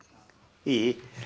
いい？